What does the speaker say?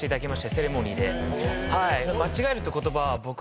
セレモニーで。